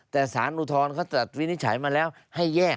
แต่สารอุทธรณ์เขาจัดวินิจฉัยมาแล้วให้แยก